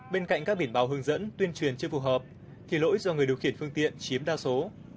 bên cạnh các biển báo hướng dẫn tuyên truyền chưa phù hợp thì lỗi do người điều khiển phương tiện chiếm đa số